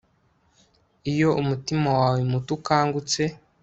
iyo umutima wawe muto ukangutse